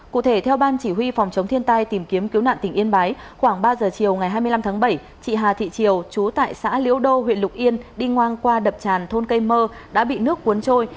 cụ thể theo ban chỉ huy phòng chống thiên tai tìm kiếm cứu nạn tỉnh yên bái khoảng ba giờ chiều ngày hai mươi năm tháng bảy chị hà thị triều chú tại xã liễu đô huyện lục yên đi ngang qua đập tràn thôn cây mơ đã bị nước cuốn trôi